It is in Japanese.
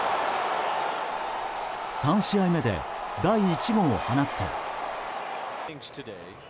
３試合目で第１号を放つと。